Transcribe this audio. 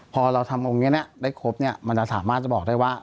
พอเราทำองค์นี้ได้ครบมันจะสามารถจะบอกได้ว่า